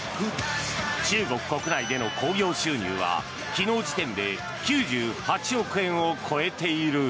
中国国内での興行収入は昨日時点で９８億円を超えている。